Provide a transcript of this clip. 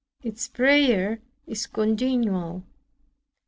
Its prayer is continual.